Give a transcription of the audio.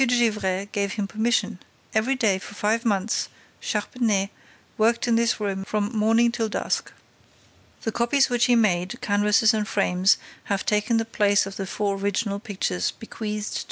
de Gesvres gave him permission. Every day for five months Charpenais worked in this room from morning till dusk. The copies which he made, canvases and frames, have taken the place of the four original pictures bequeathed to M.